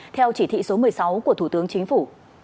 theo chỉ thị số một mươi sáu của thủ tướng chính phủ